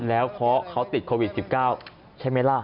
แล้วเพราะเขาติดโควิด๑๙ใช่ไหมล่ะ